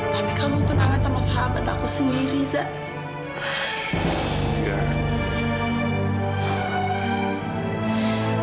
tapi kalau tunangan sama sahabat aku sendiri za aku gak bisa ngerti